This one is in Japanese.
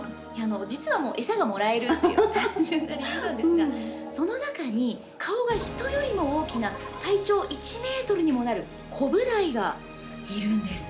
実は餌がもらえるという単純な理由なんですがその中に、顔が人よりも大きな体長１ｍにもなるコブダイがいるんです。